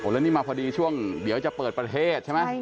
แล้วนี่มาพอดีช่วงเดี๋ยวจะเปิดประเทศใช่ไหม